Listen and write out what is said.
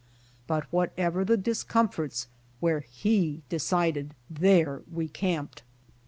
But whatever the discomforts, where he decided there we camped.